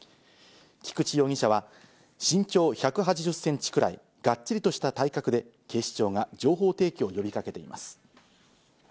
菊池容疑者は身長１８０センチくらい、がっちりとした体格で、警視庁が情報提供を呼びかけています。